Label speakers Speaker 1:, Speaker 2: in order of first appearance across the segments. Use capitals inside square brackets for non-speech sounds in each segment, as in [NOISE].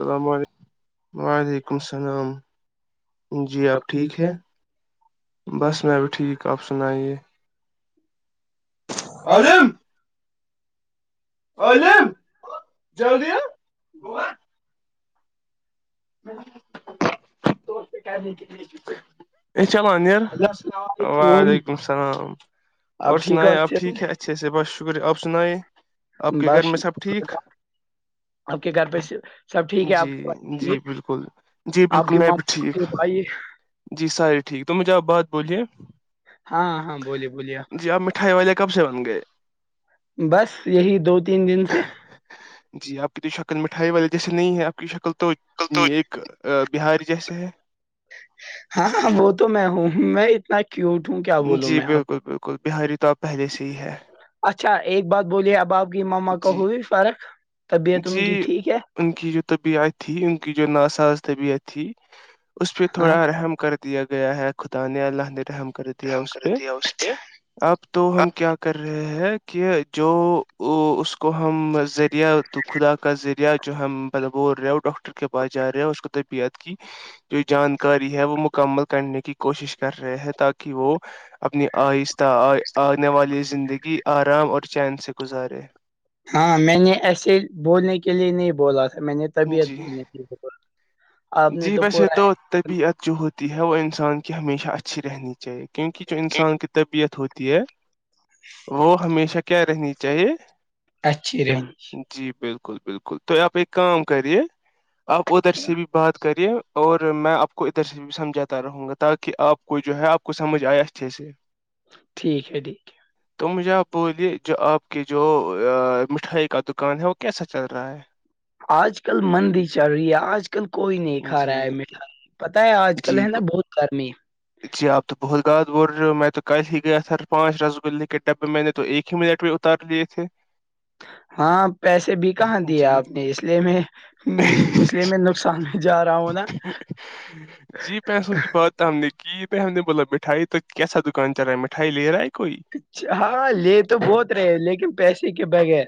Speaker 1: السلام علیکم
Speaker 2: ہاں جی
Speaker 1: وعلیکم السلام جی
Speaker 2: سب
Speaker 1: آپ ٹھیک
Speaker 2: ہے
Speaker 1: ہیں بس میں بھی ٹھیک آپ سنائیے
Speaker 2: اورجم
Speaker 1: عالم
Speaker 2: عالم
Speaker 1: جلدی
Speaker 2: چلے
Speaker 1: بی ا چلو نر
Speaker 2: علیکم
Speaker 1: وعلیکم السلام
Speaker 2: آپ
Speaker 1: اور
Speaker 2: ٹھیک ہو
Speaker 1: سنائ آپ
Speaker 2: اچھے سے؟
Speaker 1: ٹھیک ہے اچھے سے بت شکریہ آپ سنیں آپ کے گھر
Speaker 2: بس
Speaker 1: میں سب ٹھیک
Speaker 2: آپ کے گھر پہ سے- سب ٹھیک ہے آپ
Speaker 1: جی
Speaker 2: کے پاس ٹھیک
Speaker 1: جی
Speaker 2: ہے؟
Speaker 1: بالکل جی
Speaker 2: آپ
Speaker 1: بالکل
Speaker 2: کی
Speaker 1: میں
Speaker 2: ماں
Speaker 1: بھی ٹھیک
Speaker 2: آپ
Speaker 1: ٹھیک
Speaker 2: کے بھائی
Speaker 1: جی ساریے ٹھیک تو مجھے آپ بات بولیے
Speaker 2: ہاں ہاں بولیے بولیے آپ
Speaker 1: کھائے والے کب سے بن گئے
Speaker 2: بس یہی دو تین دن سے
Speaker 1: جی آپ کی تو شکل مٹھائی والے جیسے نہیں ہے آپ کی شکل تو ایک بہار جیسے ہے
Speaker 2: ہاں ہاں وہ تو میں ہوں میں اتنا کیوںٹوں کیا بولوں
Speaker 1: جی
Speaker 2: میں آپ کو۔
Speaker 1: بالکل بالکل بہاری تو آبپ پہلے سے ہی ہے
Speaker 2: اچھا ایک بات بولیے اب آپ کی مما کو
Speaker 1: جی
Speaker 2: ہوئی فرق طبیعت ان
Speaker 1: جی
Speaker 2: کی ٹھیک ہے
Speaker 1: ان کی جو طبیعت تھی ان کی جو نا ساز طبیعت تھی اس پہ
Speaker 2: ہاں
Speaker 1: تھوڑا رحم کر دیا گیا ہے خداان اللہ نے رحم کر یا
Speaker 2: ہم
Speaker 1: اس
Speaker 2: کر
Speaker 1: پہ
Speaker 2: دیا اس نے
Speaker 1: اب تو ہم کیا کر رہے ہیں کہ جو اس کو ہم ذریعہ تو خدا کا ذریعہ جو ہم بل بول رہے ہو ڈاکٹر کے پاس جا رہے ہو اس کو طربیعت کی جو جانکاری ہے وہ مکمل کرنے کی کوشش کر رہے ہیں تاکہ وہ اپنی آہستہ آنے والی زندگی آرام اور چین سے گزارے
Speaker 2: ہاں میں نے ایسے بولنے کے لیے نہیں بولا تھا میں نے طبیعت
Speaker 1: جی
Speaker 2: بولنے ج بر
Speaker 1: جی میںسے تو طبیعت جو ہوتی ہے وہ انسان کی ہمیشہ اچھی رہنی چاہیے کیونکہ جو انسان کی طبیعت ہوتی ہے وہ ہمیشہ کیا رہنی چاہیے
Speaker 2: اچھی رینج
Speaker 1: جی بالکل بالکل تو آپ ایک کام کریے آپ ادھر
Speaker 2: کیا۔
Speaker 1: سے بھی بات کرے اور میں آپ کو ادھر سے سمجھاتا رہوں گا تاکہ آپ کو جو ہے آپ کو سمجھ آئے اچھے سے
Speaker 2: ٹھیک ہے ٹھیک ہے
Speaker 1: تو مجھے آپ بولیے جو آپ کی جو مٹھائی کا دکان ہے وہ کیسا چل رہا ہے
Speaker 2: آج کل مندی چل رہی ہے آج کل آج کل کوئی نہیں کھا رہا
Speaker 1: جی
Speaker 2: ہے میٹھا پت ہے آج کل
Speaker 1: جی
Speaker 2: ہے نا بہت گرمی
Speaker 1: جی آپ تو بہت غاتاز بول رہے ہو میں تو کل ہی گیا تھار پانچ رس گلے کے ڈبے میں نے تو ایک ہی منٹ میں ترلی تھے
Speaker 2: ہاں پیسے بھی کہاں دے
Speaker 1: جی
Speaker 2: آپ نے اس لیے میں یہ میں نقصان بھی جا رہا ہوں نا
Speaker 1: جی پیسوں کی بات ہم نے کی بائی ہم نے بولا مٹھائی تو کیسا دکان چلا ہے مٹھائی لے رہا ہے کوئی
Speaker 2: اچ ہاں لے تو بہت رہے لیکن پیسے کے بغیر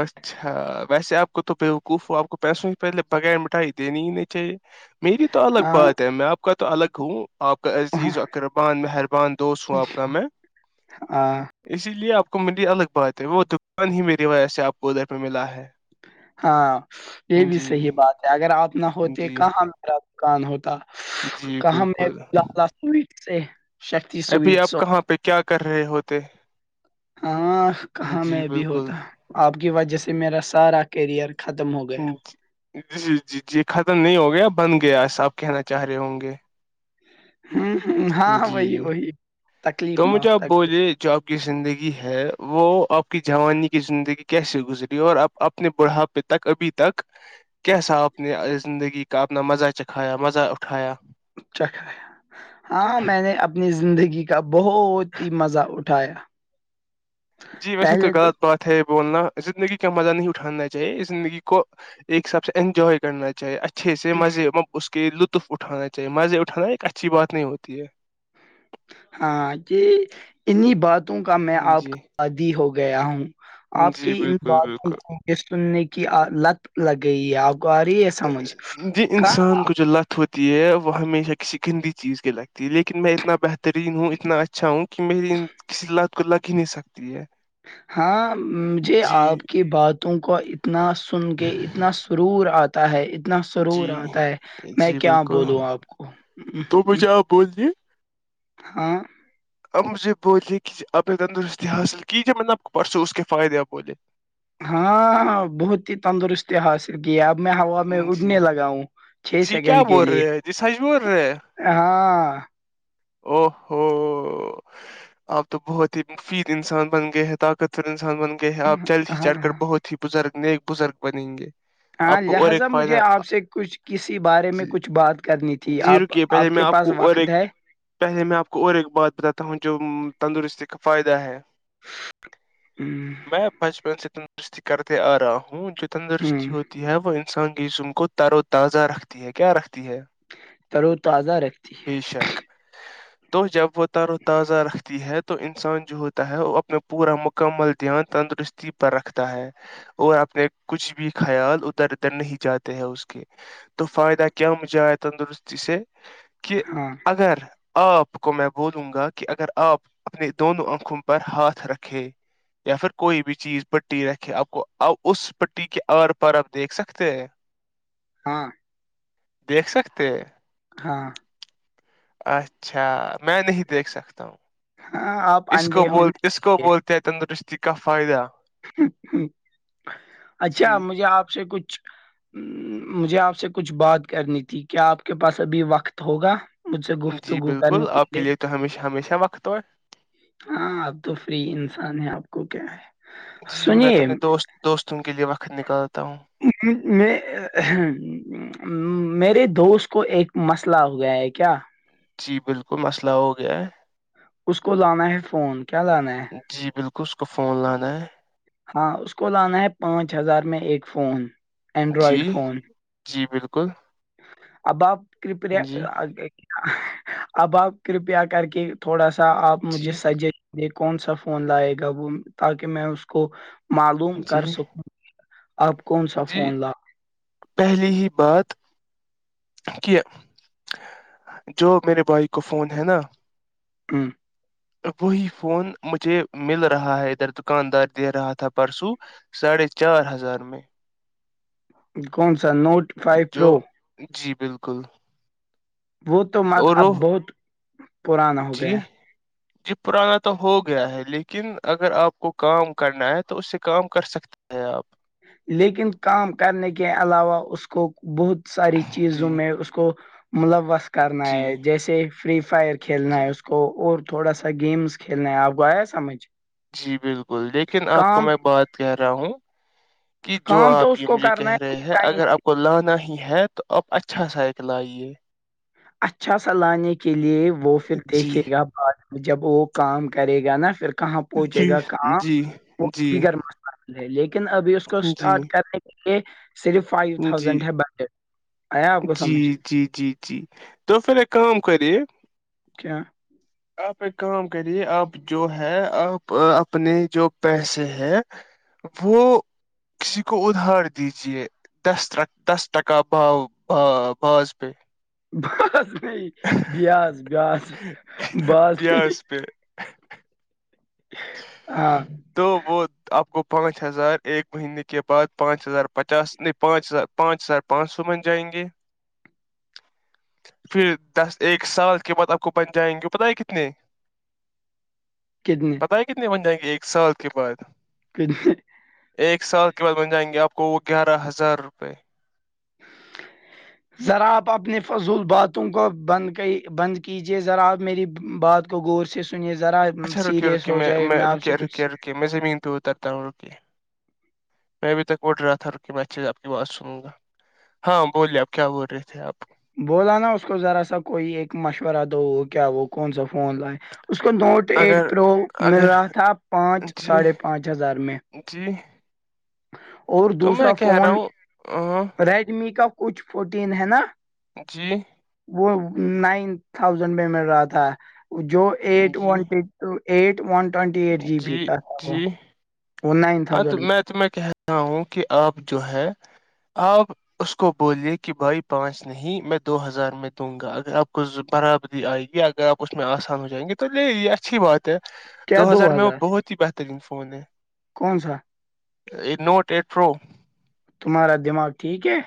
Speaker 1: اچھا ویسے آپ کو تو بےوقوف ہو آپ کو پیسوں ہی پہلے بغیر مٹھائی دینی ہی نہیں چاہیے میری تو الگ
Speaker 2: ہاں
Speaker 1: بات ہے میں آپ کا تو الگ ہوں آپ کا عزیز و قربان مہربان دوست ہوں آپ کا میں
Speaker 2: ہاں
Speaker 1: اسی لیے آپ کو میری الگ بات ہے وہ دکان ہی میری وجہ سے آپ کو ادھر پہ ملا ہے
Speaker 2: ہاں یہ بھی
Speaker 1: جی
Speaker 2: صحیح بات ہے اگر آپ نہ ہوتے
Speaker 1: جی
Speaker 2: کہاں میرا دکان ہوتا
Speaker 1: جی
Speaker 2: کہاں میں
Speaker 1: بالکل
Speaker 2: لا سوٹ سے شکتی
Speaker 1: ابھی آپ
Speaker 2: سویٹس
Speaker 1: کہاں پہ کیا کر رہے ہوتے
Speaker 2: ہاں کہاں
Speaker 1: جی
Speaker 2: میں بھی
Speaker 1: بالکل
Speaker 2: ہوتا آپ کی وجہ سے میرا سارا کیریئر ختم ہو گیا
Speaker 1: جی جی جی جی ختم نہیں ہو گیا بن گیا ایسا آپ کہنا چاہ رہے ہوں گے
Speaker 2: ہوں ہ
Speaker 1: جی تو مجھ
Speaker 2: معاف
Speaker 1: آپ
Speaker 2: تکلیف
Speaker 1: بولےپ زندگی ہے وہ آپ کی جوانی کی زندگی کیسے گزری اور آپ اپنے بڑھاپے تک ابھی تک کیسا آ اپ نے زندگی کا اپنا مزہ چکھایا مزہ اٹھایا
Speaker 2: چکھا ہاں میں نے اپنی زندگی کا بہت ہی مزہ اٹھایا
Speaker 1: جی ویسے تو غلط بات ہے بولنا زندگی کا مزہ نہیں اٹھانا چاہیے زندگی کو ایک سب سے انجوائے کرنا چاہیے اچھا اچھے سے مزے اس کے لطف اٹھا چاہے مزے اٹھانا ایک اچھی بات نہیں ہوتی ہے
Speaker 2: ہاں ج انی باتوں کا میں آپ کا
Speaker 1: جی
Speaker 2: عادی ہو گیا ہوں آپ کی
Speaker 1: جی
Speaker 2: ان
Speaker 1: بالکل
Speaker 2: باتوں
Speaker 1: بالکل
Speaker 2: کو سننے کی لت لگ گئی ہے آپ کو آ رہی ہے سمجھ
Speaker 1: ج
Speaker 2: کا
Speaker 1: انسان گو جو لت ہوتی ہے وہ ہمیشہ کسی گندی چیز کی لگتی ہے لیکن میں اتنا بہترین ہوں اتنا اچھا اچھا ہوں کہ میری کسی لات کو لگ ہی نہیں سکتی ہے
Speaker 2: ہاں مجھے
Speaker 1: جی
Speaker 2: آپ کی باتوں کو اتنا سن کے اتنا رور آپ ہے اتنا سرور
Speaker 1: جی
Speaker 2: آتا ہے میں
Speaker 1: جی
Speaker 2: کیا
Speaker 1: بالکل
Speaker 2: بولوں آپ کو ا
Speaker 1: بو دیے
Speaker 2: ہاں
Speaker 1: اب مجھے بولیے کہ آپنی تندرستی حاصل کیجیے میں نے آپ کو پرسوں اس کے فائدے آ بولے
Speaker 2: ہاں بہت ہی تندرست حاصل کیا اب میں ہوا میں
Speaker 1: جی
Speaker 2: اٹنے لگا ہوں چھ سیکنڈ کے لیے
Speaker 1: ج سج وہ
Speaker 2: ہاں
Speaker 1: او ہوو آپ تو بہت ہی مفید انسان بن گئے طاقتر انسان بن گئے گ آپ جلد ہی چڑھ کر
Speaker 2: ہاں
Speaker 1: بہت ہی بزرگ نیک بزرگ بنیں گے
Speaker 2: ہاں
Speaker 1: آپ کو اور
Speaker 2: لہذا
Speaker 1: ایک
Speaker 2: مجھے
Speaker 1: فائدہ
Speaker 2: آپ سے کچھ کسی بارے میں
Speaker 1: جی
Speaker 2: کچھ بات کرنی تھی جی آپ
Speaker 1: رکیے
Speaker 2: آپ
Speaker 1: پہلے میں
Speaker 2: کے پاس
Speaker 1: کو اور
Speaker 2: وقت
Speaker 1: ایک
Speaker 2: ہے
Speaker 1: پہلے میں آپ کو اور ایک بات بتاتا ہوں جو تندرستی کا فائدہ ہے
Speaker 2: ہوں
Speaker 1: میں بچپن سے تندرستی کرتے آ رہا ہوں جو تندرستی
Speaker 2: ہوں
Speaker 1: ہوتی ہے وہ انسان کے جم کو تر و تازہ رکھتی ہے کیا رکھتی ہے
Speaker 2: ترو تازہ رکھتی ہے
Speaker 1: بے شک تو جب وہ تر و تازہ رکھتی ہے تو تو انسان جو ہوتا ہے وہ اپنا پورا مکمل دھیان تندرستی پر رکھتا ہے اور اپنے کچھ بھی خیال اتر اتر نہیں جاتے ہیں اس کے تو فائدہ ک ہم جائے تندرستی سے کہ
Speaker 2: ہاں
Speaker 1: اگر آپ کو میں بولوں گا کہ اگر آپ اپنے دونوں آنکھوں پر ہاتھ رکھے یا پھر کوئی بھی چیز پٹی رکھے آپ کو آ اس پٹی کے آر پر آپ دیکھ سکتے ہیں
Speaker 2: ہاں
Speaker 1: دیکھ سکتے
Speaker 2: ہاں
Speaker 1: اچھا میں نہیں دیکھ سکتا ہوں
Speaker 2: ہاں آپ
Speaker 1: اس کو
Speaker 2: اندھے
Speaker 1: بول اس کو
Speaker 2: ہونے
Speaker 1: بولتے ہیں تندرستی کا فائدہ
Speaker 2: اچھا
Speaker 1: جی
Speaker 2: مجھے آپ سے کچھ مجھے آپ سے کچھ بات کرنی تھی کیا آپ کے پاس ابھی وقت ہوگا مجھے
Speaker 1: جی
Speaker 2: گفتگو کرنے
Speaker 1: بالکل
Speaker 2: کے
Speaker 1: آپ
Speaker 2: لیے
Speaker 1: تو ہمیشہ ہمیشہ وقت ہو
Speaker 2: ہاں اب تو فری انسان ہے آپ کو کیا ہے
Speaker 1: جی میں تو
Speaker 2: سنیے
Speaker 1: اپنے دوست دوستوں کے لیے وقت نکالتا ہوں
Speaker 2: میں میرے دوست کو ایک مسئلہ ہو گیا ہے کیا
Speaker 1: جی بالکل مسئلہ ہو گیا ہے
Speaker 2: اس کو لانا ہے فون کیا لانا ہے
Speaker 1: جی بالکل اس کو فون لانا ہے
Speaker 2: ہاں اس کو لانا ہے پانچ ہزار میں ایک فون اینڈرائڈ
Speaker 1: جی
Speaker 2: فون
Speaker 1: جی بالکل
Speaker 2: ابااب کپنے
Speaker 1: جی
Speaker 2: اب آپ کرپیا کر کے تھوڑا سا آپ مجھے
Speaker 1: جی
Speaker 2: سجیسٹ یہ کون سا فون لائے گا وہ تاکہ میں اس کو معلوم
Speaker 1: جی
Speaker 2: کر سکوں آپ کون سا
Speaker 1: جی
Speaker 2: فون لا
Speaker 1: پہلی ہی بات کہ جو میرے بائی کو فون ہے نا
Speaker 2: ہوں
Speaker 1: وہی فون مجھے مل رہا ہے ادھر دکاندار دے رہا تھا پرسوں ساڑھے چار ہزار میں
Speaker 2: کون سا نوٹ فائیو پرو
Speaker 1: جو جی بالکل
Speaker 2: وہ تو م
Speaker 1: اور
Speaker 2: اب
Speaker 1: وہ
Speaker 2: بہت پرانا ہو
Speaker 1: جی
Speaker 2: گیا
Speaker 1: جی پرانا تو ہو گیا ہے لیکن اگر آپ کو کام کرنا ہے تو اس سے کام کر سکتے ہے آپ
Speaker 2: لیکن کام کرنے کے علاوہ اس کو بہت ساری چیزوں
Speaker 1: جی
Speaker 2: میں اس کو ملوث کرنا
Speaker 1: جی
Speaker 2: ہے جیسے فری فائر کھیلنا
Speaker 1: جی
Speaker 2: ہے اس کو تو اور تھوڑا سا گیمس کھیلنا ہے آپ گ آیا سمجھ
Speaker 1: جی بالکل لیکن آپ کو
Speaker 2: کام
Speaker 1: میں بات کہ رہا ہوں کہ جو
Speaker 2: کام تو
Speaker 1: آپ
Speaker 2: اس
Speaker 1: یہ
Speaker 2: کو
Speaker 1: مجھے
Speaker 2: کرنا
Speaker 1: کہہ رہے
Speaker 2: ہے
Speaker 1: ہیں
Speaker 2: ٹائم
Speaker 1: اگر آپ کو لانا ہی ہے تو آپ اچھا سائیکل آئیے
Speaker 2: اچھا سا لانے کے لیے وہ پھر
Speaker 1: جی
Speaker 2: دیکھے گا بعد میں جب وہ کام کرے گا نا پھر کہاں
Speaker 1: جی
Speaker 2: پہنچے گا کام
Speaker 1: جی
Speaker 2: وہ
Speaker 1: جی
Speaker 2: گرم لیکن ابھی اس کو
Speaker 1: جی جی
Speaker 2: اسٹارٹ کرنے کے لیے صرف فائیو تھاؤزینڈ ہے بجٹ آیا آپ کو سمجھ
Speaker 1: جی جی جی جی تو پھر ایک کام کرے
Speaker 2: کیا
Speaker 1: آپ ایک کام کریے آپ جو ہے آ اپنے جو پیسے ہے وہ کسی کو ادھار دیجیے دس دس ٹکا بھاؤ باض پ
Speaker 2: بس نہیں بیاس بیاس بس نہیں
Speaker 1: ج
Speaker 2: ہاں
Speaker 1: تو وہ آپ کو پانچ ہزار ایک مہینے کے بعد پانچ ہزار پچاس نہیں پانچ ہزار پانچ ہزار پانچ سو من جائیں گے
Speaker 2: [INAUDIBLE]
Speaker 1: پھر دس ایک سال کے بعد آپ کو بن جائیں گے پت ہے کتنے
Speaker 2: کتنی
Speaker 1: پتا ہے کتنے بن جائیں گے ایک سال کے بعد
Speaker 2: کرھر [UNINTELLIGIBLE]
Speaker 1: ایک سال کے بعد بن جائیں گے آپ کو وہ گیارہ ہزار روپے
Speaker 2: [INAUDIBLE] ذرا آپ اپنی فضول باتوں کو بند بند کیجیے ذرا آپ میری بات کو ور سے سنیے ذرا سیریس ہو جائے میں آپ سے کچھ
Speaker 1: ج میں سے منتو ہو ترتاوں روکے [UNINTELLIGIBLE] میں اب تک اٹ رہا تھا رک میں اچ آپ کی بات سنوں گا ہاں بولیے آپ کیا بول رہے تھے آپ
Speaker 2: بولا نا اس کو ذرا سا کوئی ایک مشورہ دو وہ کیا وہ کون سا فون لائے اس کو نوٹ فٹ ایٹ
Speaker 1: اگر
Speaker 2: پرو مل
Speaker 1: اگر
Speaker 2: رہا تھا پانچ
Speaker 1: جی
Speaker 2: ساڑھے پانچ ہزار میں
Speaker 1: جی
Speaker 2: اور
Speaker 1: تو
Speaker 2: دوسرا
Speaker 1: میں کہہ
Speaker 2: فون
Speaker 1: رہا ہوں ہاں
Speaker 2: ریڈمی کا کچھ فورٹین ہے نا
Speaker 1: جی
Speaker 2: وہ نائن تھاؤزینڈ میں مل رہا تھا جو ایٹ
Speaker 1: جی
Speaker 2: ونٹی تو eight one twenty eight G B کا وہ [UNINTELLIGIBLE] وہ
Speaker 1: ا تو میں تو میں کہہ رہا ہوں کہ آپ جو ہے آپ اس کو بولیے کہ بھائی پانچ میں نہیں میں دو ہزار میں دوں گا اگر آپ کو برابری آئے گی اگر آپ اس میں آسان ہو جائیں گے تو تولے یہ اچھی بات ہے
Speaker 2: کیا
Speaker 1: دو ہزار میں وہ بہت ہی بہترین فون ہے
Speaker 2: کون سا [UNINTELLIGIBLE]
Speaker 1: نوٹ ای پرو [UNINTELLIGIBLE]
Speaker 2: تمہارا دماغ ٹھیک ہے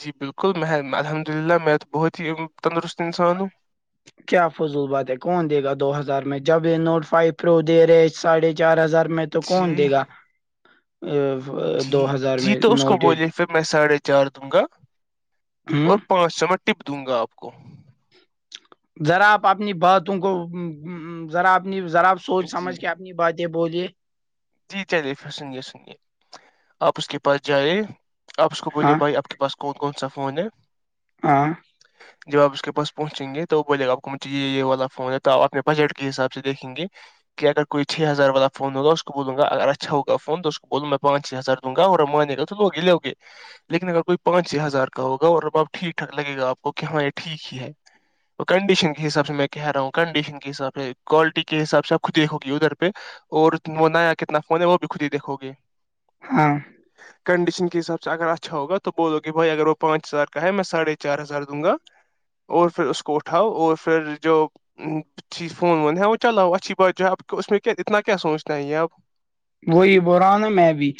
Speaker 1: جی بالکل میں الحمد للہ میں تو بہت ہی تندرست انسان ہوں
Speaker 2: کیا فضول بات ہے کون دے گا دو ہزار میں جب یہ نوٹ فائیو پرو دے رہے ساڑھے چار ہزار میں تو تو کون
Speaker 1: جی
Speaker 2: دے گا ا [UNINTELLIGIBLE]
Speaker 1: جی جی تو اس کو بولیے پھر میں ساڑھے چار دوں گا اور
Speaker 2: ہوں
Speaker 1: پانچ سو میں ٹپ دوں گا آپ کو
Speaker 2: ذرا آپ اپنی باتوں کو ذرا اپنی ذراپ سوچ
Speaker 1: جی
Speaker 2: سمجھ کے [UNINTELLIGIBLE] اپنی باتیں بوولے [UNINTELLIGIBLE]
Speaker 1: جی چلیےھر سنے سنیے آپ اس کے پاس جائی آپ اس کو بوولے
Speaker 2: ہاں
Speaker 1: بھائی آپ کے پاس کوکت کون س فون ہے
Speaker 2: ہاں
Speaker 1: جب آپ اس کے پس پہنچیں گے تو وہ بولے گا آپ کو مجھے یہ والا فون ہے تو آپ اپنے بجٹ کے حساب سے دیکھیں گے کہ اگر کوئی چھ ہزار والا فون ہوگا اس کو اس کو بول گا اگر اچھا ہوگا فون تو اس کو بولوں میں پانچ چھ ہزار دوں گا اور مانے گا تو لوگ لو گے لیکن اگر کوئی پانچ چھ ہزار کا ہوگا اور اب آب ٹھیک ٹھاک لگے گا آپ کو کہ ہاں یہ ٹھیک ہی ہے کنڈیشن کے حساب سے میں کہہ رہا ہوں کڈیشن کے حساب سے کوالٹی کے حساب سے آب خود دیک ہوگی ادھر پہ اور وہ نیا کتنا فون ہے وہ بھی خود ہی دیکھو گے
Speaker 2: ہاں
Speaker 1: کنڈیشن کے حساب سے اگر اچھا ہوگا تو بولو کہ بھائی اگر وہ پانچ ہزار کا ہے میں ساڑھے چار ہزار دوں گا اور پھر اس کو اٹھاؤ اور پھر جو اچھی فون ہےاں وہ چلو ہو اچھی بات جو ہے آپ کو اس میں کیا اتنا کیا سوچنا ہے یہ آب
Speaker 2: وہی ب رہا نا میں بھی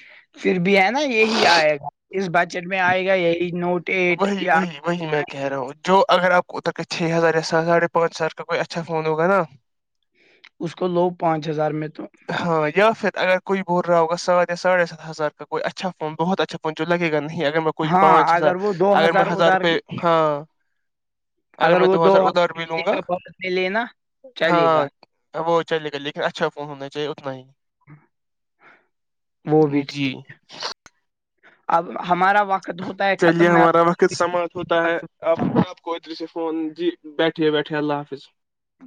Speaker 2: پھر بھی ہے نا یہی آئے گا اس بجٹ میں آئے گا یہی نوٹ ایٹ
Speaker 1: وہی
Speaker 2: یا
Speaker 1: وہی وہی میں کہہ رہا ہوں جو اگر آپ کو تک کہ چھ ہزار یا س ساڑھے پانچ ہزار کا کوئی اچھا فون ہوگا نا
Speaker 2: اس کو لو پانچ ہزار میں تو
Speaker 1: ہاں یا پھر اگر کوئی ب رہا ہوگا سات یا ساھے سات ہزار کا کوئی اچھا فون بہت اچھا فون جو لگے گا نہیں ا اگر میں کو پانچ
Speaker 2: ہاں
Speaker 1: سر
Speaker 2: اگر وہ دو ہزار ادھار [UNINTELLIGIBLE] اگر
Speaker 1: میں
Speaker 2: وہ دو
Speaker 1: ادھار بھی
Speaker 2: ہزار
Speaker 1: لوں گا
Speaker 2: کا ب لےینا
Speaker 1: ہاں وہ چلے گا لیکن اچھا فون ہونا چاہیے اتنا ہی
Speaker 2: وہ بھی ٹھیک
Speaker 1: جی
Speaker 2: ہے اب ہمارا وقت ہوتا ہے
Speaker 1: چلیے
Speaker 2: ختم میں آپ
Speaker 1: ہمارا وقت سماعت
Speaker 2: کو
Speaker 1: ہوتا
Speaker 2: بات
Speaker 1: ہے
Speaker 2: کرتا ہوں۔
Speaker 1: اپپ کوئیتری سے فون جی بیٹھے بیٹھے اللہ حافظ
Speaker 2: ا